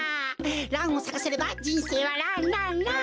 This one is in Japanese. ランをさかせればじんせいはランランラン！